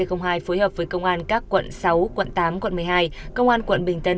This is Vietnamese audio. phối hợp với công an các quận sáu quận tám quận một mươi hai công an quận bình tân